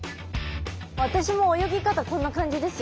私も泳ぎ方こんな感じですよ。